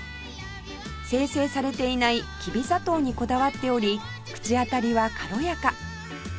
精製されていないきび砂糖にこだわっており口当たりは軽やか